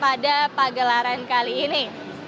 pada pagelaran kali ini